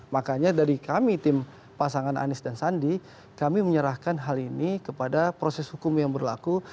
makanya dari kami tim pasangan anis dan sandi kami menyerahkan hal ini kepada proses hukum yang berlaku